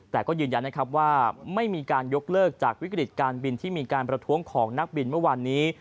แต่ก็ยืนยันนะครับว่าไม่มีการยกเลิกจากวิกฤตการบินที่มีการประท้วงของนักบินเมื่อวานนี้